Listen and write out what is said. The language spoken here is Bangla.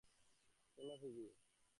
চলো, ফিবি।